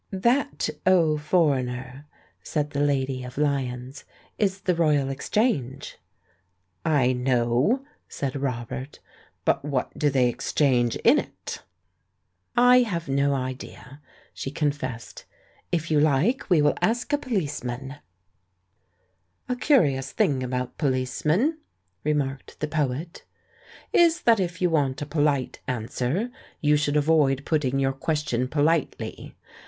"That, O foreigner," said the lady of Lyons', *'is the Roj^al Exchange!" "I know," said Robert. "But what do they ex change in it?" "I have no idea," she confessed. "If you like, we will ask a policeman." THE LADY OF LYONS' 323 "A curious thing about policemen," remarked the poet, "is that if you want a poHte answer, you should avoid putting your question politely.